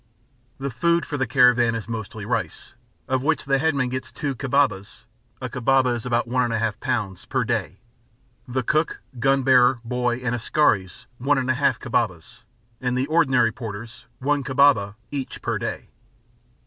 The food for the caravan is mostly rice, of which the Headman gets two kibabas (a kibaba is about 1 1/2 lb.) per day; the cook, gun bearer, "boy" and askaris one and a half kibabas, and the ordinary porters, one kibaba, each per day.